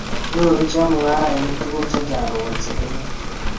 Nyoru chemungarainik tuguk chechang' kobun stimet